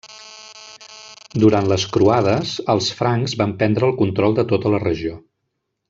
Durant les croades, els francs van prendre el control de tota la regió.